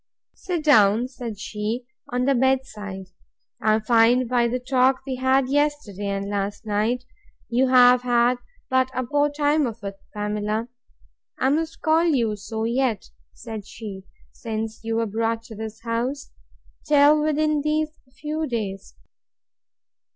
Sit down, said she, on the bed side.—I find, by the talk we had yesterday and last night, you have had but a poor time of it, Pamela, (I must call you so yet, said she,) since you were brought to this house, till within these few days.